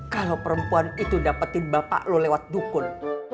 kalau perempuan itu dapetin bapak lo lewat dukun